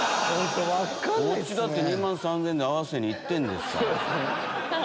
こっちだって２万３０００円に合わせに行ってんですから。